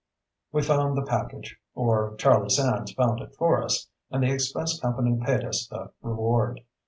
We found the package, or Charlie Sands found it for us, and the express company paid us the reward.